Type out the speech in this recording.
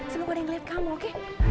semoga ada yang liat kamu oke